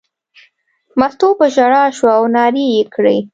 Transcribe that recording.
مستو په ژړا شوه او نارې یې کړې.